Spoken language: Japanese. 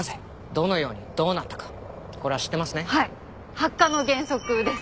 「８何の原則」です。